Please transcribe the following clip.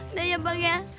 udah ya bang ya